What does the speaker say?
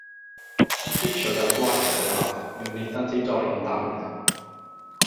I geisio cael gwared ar ei gorff, fe wnaethant ei dorri'n ddarnau.